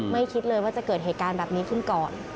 คิดเลยว่าจะเกิดเหตุการณ์แบบนี้ขึ้นก่อน